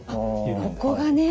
ここがね